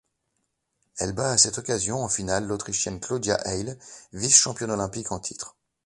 Elle bat à cette occasion en finale l'Autrichienne Claudia Heill, vice-championne olympique en titre.